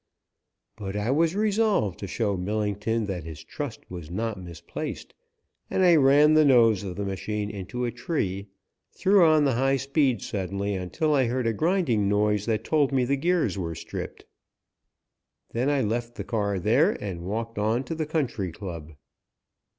But I was resolved to show Millington that his trust was not misplaced, and I ran the nose of the machine into a tree, threw on the high speed suddenly until I heard a grinding noise that told me the gears were stripped. Then I left the car there and walked on to the Country Club.